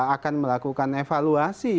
akan melakukan evaluasi